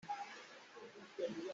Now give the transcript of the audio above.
A cuar a cang ngai.